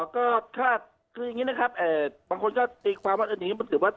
ก็ถ้าคืออย่างนี้นะครับบางคนก็ตีความว่าอย่างนี้มันถือว่า